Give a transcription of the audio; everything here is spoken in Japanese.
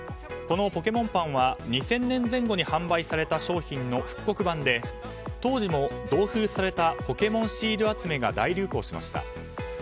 このポケモンパンは２０００年前後に販売された商品の復刻版で、当時も同封されたポケモンシール集めが大流行しました。